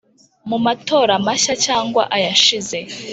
mu matorero mashya cyangwa ayashize